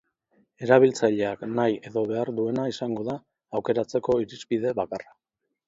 Erabiltzaileak nahi edo behar duena izango da aukeratzeko irizpide bakarra.